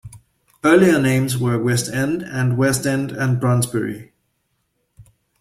Earlier names were "West End" and "West End and Brondesbury".